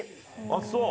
あっ、そう。